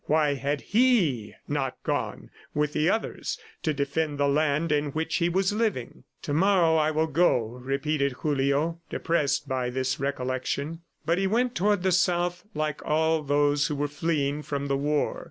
Why had he not gone with the others to defend the land in which he was living? ... "To morrow I will go," repeated Julio, depressed by this recollection. But he went toward the South like all those who were fleeing from the war.